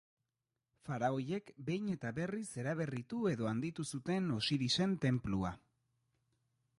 Faraoiek behin eta berriz eraberritu edo handitu zuten Osirisen tenplua.